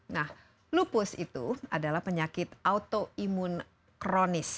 nah lupus itu adalah penyakit autoimun kronis